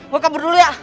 gue kabur dulu ya